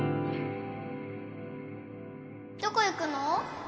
どこ行くの？